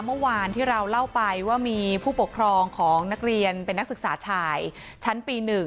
เมื่อวานที่เราเล่าไปว่ามีผู้ปกครองของนักเรียนเป็นนักศึกษาชายชั้นปี๑